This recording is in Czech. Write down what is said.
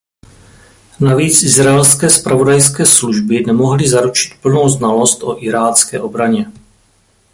Navíc izraelské zpravodajské služby nemohly zaručit plnou znalost o irácké obraně.